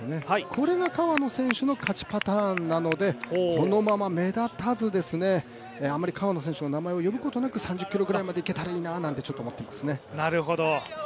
これが川野選手の勝ちパターンなのでこのまま目立たず、あまり川野選手の名前を呼ぶことなく３０ｋｍぐらいまでいけたらいいななんて、ちょっと思っていますね。